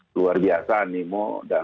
luar biasa nimo dan